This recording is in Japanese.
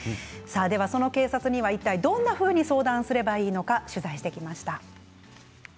その警察にはいったいどんなふうに相談すればいいのか取材してきました。